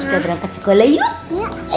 yuk kita terangkat sekolah yuk